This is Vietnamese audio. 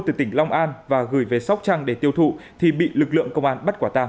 từ tỉnh long an và gửi về sóc trăng để tiêu thụ thì bị lực lượng công an bắt quả tang